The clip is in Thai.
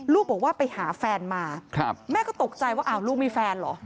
บอกว่าไปหาแฟนมาแม่ก็ตกใจว่าอ้าวลูกมีแฟนเหรอ